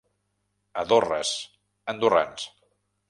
A Dorres, andorrans.